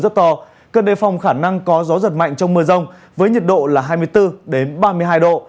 rất to cần đề phòng khả năng có gió giật mạnh trong mưa rông với nhiệt độ là hai mươi bốn ba mươi hai độ